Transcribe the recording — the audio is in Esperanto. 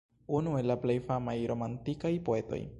Unu el la plej famaj romantikaj poetoj.